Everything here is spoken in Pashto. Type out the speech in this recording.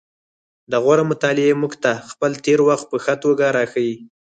د غور مطالعه موږ ته خپل تیر وخت په ښه توګه راښيي